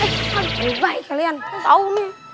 gila ini baik kalian tau nih